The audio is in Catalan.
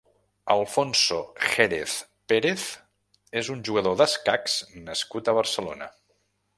Alfonso Jérez Pérez és un jugador d'escacs nascut a Barcelona.